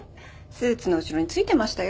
スーツの後ろに付いてましたよ。